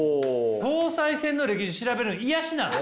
総裁選の歴史調べるの癒やしなの？